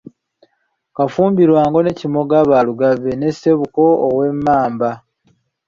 Kafumbirwango ne Kimoga ba Lugave ne Ssebuko ow'Emmamba.